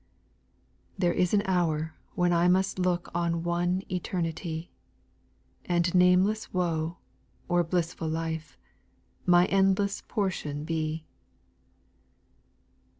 4. There is an hour when I must look On one eternity ; And nameless woe, or blissful life. My endless portion be.